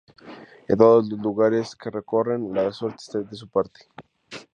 En todos los lugares que recorren, la suerte está de su parte.